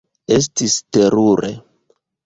Estis terure.